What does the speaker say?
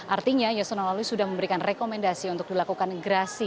artinya yasona lawli sudah memberikan rekomendasi untuk dilakukan gerasi